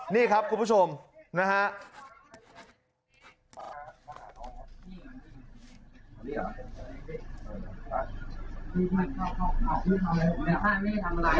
นี่ครับคุณผู้ชมนะฮะ